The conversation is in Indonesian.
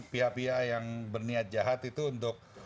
pihak pihak yang berniat jahat itu untuk